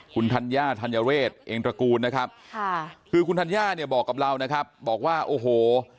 คุณธัญญาธัญเรศเองตระกูลนะครับค่ะคือคุณธัญญาเนี่ยบอกกับเรานะครับบอกว่าโอ้โห